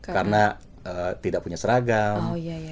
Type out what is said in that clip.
karena tidak punya seragam